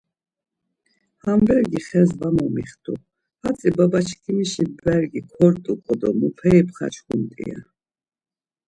Ham bergi xes var momixtu, hatzi baba çkimişi bergi kort̆uǩo do muperi pxaçkumt̆i ya.